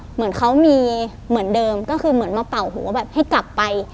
เหมือนเขามีเหมือนเดิมก็คือเหมือนมาเป่าหัวแบบให้กลับไป